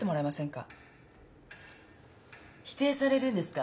否定されるんですか？